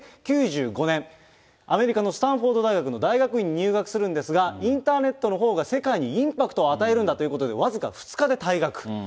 ９５年、アメリカのスタンフォード大学の大学院に入学するんですが、インターネットのほうが世界にインパクトを与えるんだということで、わずか２日で退学。